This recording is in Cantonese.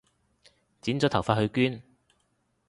剪咗頭髮去捐